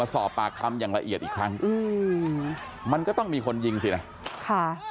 สอบปากคำอย่างละเอียดอีกครั้งอืมมันก็ต้องมีคนยิงสินะค่ะ